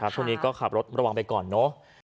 ใช่ครับทุนนี้ก็ขับรถระวังไปก่อนเนอะ